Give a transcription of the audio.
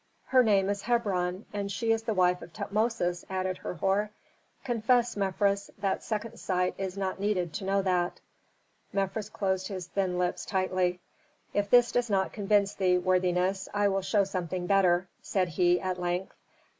"Her name is Hebron, and she is the wife of Tutmosis," added Herhor. "Confess, Mefres, that second sight is not needed to know that." Mefres closed his thin lips tightly. "If this does not convince thee, worthiness, I will show something better," said he at length.